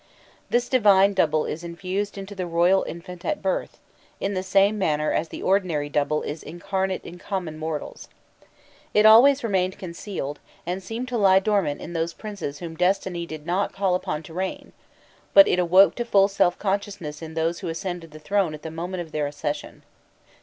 This divine double is infused into the royal infant at birth, in the same manner as the ordinary double is incarnate in common mortals. It always remained concealed, and seemed to lie dormant in those princes whom destiny did not call upon to reign, but it awoke to full self consciousness in those who ascended the throne at the moment of their accession.